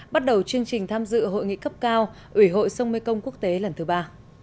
bắt đầu chương trình tham dự hội nghị cấp cao ủy hội sông mê công quốc tế lần thứ ba